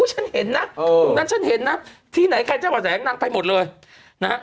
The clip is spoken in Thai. ฉันเห็นนะตรงนั้นฉันเห็นนะที่ไหนใครจะมาแสงนางไปหมดเลยนะฮะ